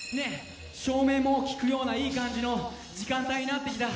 照明も効くようないい感じの時間帯になってきた。